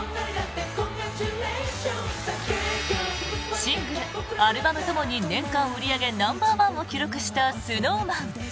シングル、アルバムともに年間売り上げナンバーワンを記録したＳｎｏｗＭａｎ。